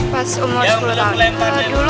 dua ribu sembilan pas umur sepuluh tahun